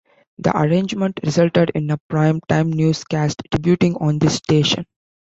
The arrangement resulted in a prime time newscast debuting on this station.